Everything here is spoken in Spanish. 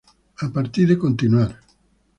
A partir de "Continuar...